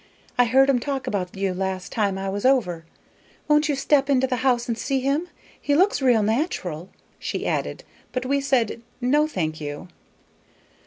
I heard 'em talk about you last time I was over. Won't ye step into the house and see him? He looks real natural," she added. But we said, "No, thank you."